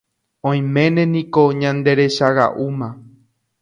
Oiméne niko ñanderechaga'úma